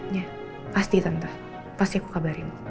ya pasti tante pasti aku kabarin